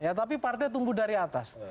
tetapi partai tumbuh dari atas